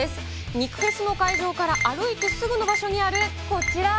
肉フェスの会場から歩いてすぐの場所にあるこちら。